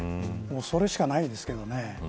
それしかないですけどね。